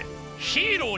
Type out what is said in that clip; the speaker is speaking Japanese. ヒーロー？